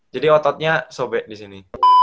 jadi ototnya sobek disini